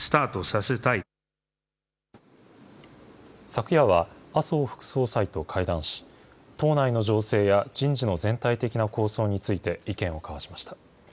昨夜は、麻生副総裁と会談し、党内の情勢や人事の全体的な構想について意見を交わしました。